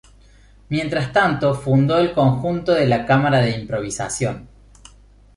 Mientras tanto fundó el "Conjunto de la Cámara de Improvisación".